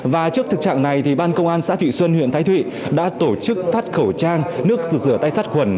và trước thực trạng này ban công an xã thụy xuân huyện thái thụy đã tổ chức phát khẩu trang nước rửa tay sát khuẩn